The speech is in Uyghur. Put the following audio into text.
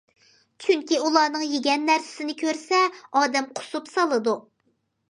چۈنكى ئۇلارنىڭ يېگەن نەرسىسىنى كۆرسە ئادەم قۇسۇپ سالىدۇ.